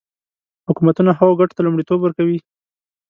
حکومتونه هغو ګټو ته لومړیتوب ورکوي.